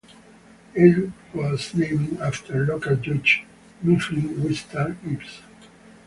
It was named after local judge Mifflin Wistar Gibbs.